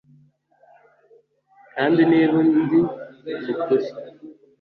kandi niba ndi mu kuri